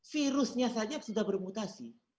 virusnya saja sudah bermutasi